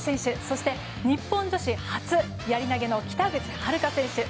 そして、日本女子初やり投げの北口榛花選手。